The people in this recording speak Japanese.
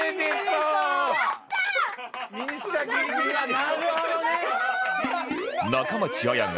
なるほどね。